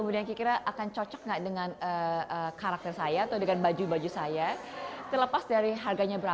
mereka juga mencari perbedaan di dalam perhiasan unik